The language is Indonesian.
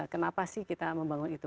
kenapa sih kita membangun itu